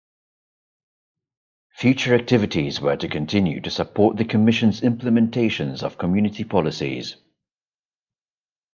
Future activities were to continue to support the Commission's implementations of Community policies.